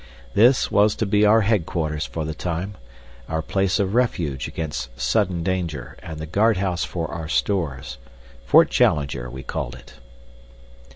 This was to be our headquarters for the time our place of refuge against sudden danger and the guard house for our stores. Fort Challenger, we called it.